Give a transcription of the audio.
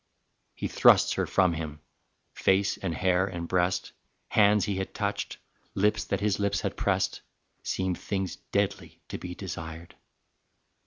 He thrusts her from him: face and hair and breast, Hands he had touched, lips that his lips had pressed, Seem things deadly to be desired.